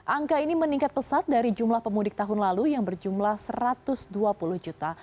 angka ini meningkat pesat dari jumlah pemudik tahun lalu yang berjumlah satu ratus dua puluh juta